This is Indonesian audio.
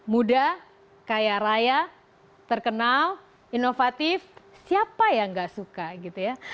muda kaya raya terkenal inovatif siapa yang gak suka gitu ya